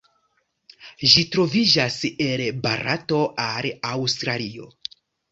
Ĝi troviĝas el Barato al Aŭstralio.